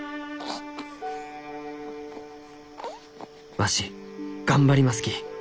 「わし頑張りますき。